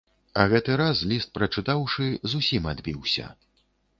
А гэты раз, ліст прачытаўшы, зусім адбіўся.